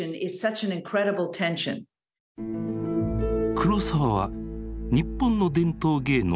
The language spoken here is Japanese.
黒澤は日本の伝統芸能